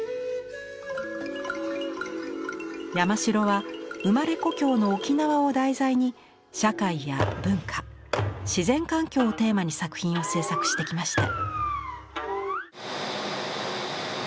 山城は生まれ故郷の沖縄を題材に社会や文化自然環境をテーマに作品を制作してきました。